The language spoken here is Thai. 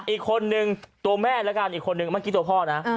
อีกคนนึงตัวแม่แล้วกันอีกคนนึงตัวพ่อนะ